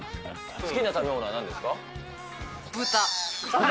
好きな食べ物はなんですか？